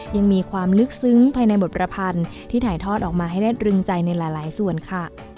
ยังมีความลึกซึ้งภายในบทประพันธ์ที่ถ่ายทอดออกมาให้ได้ตรึงใจในหลายส่วนค่ะ